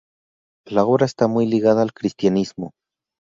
La obra está muy ligada al cristianismo.